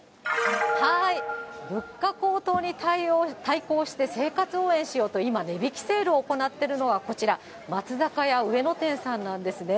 物価高騰に対抗して生活応援しようと、今、値引きセールを行っているのがこちら、松坂屋上野店さんなんですね。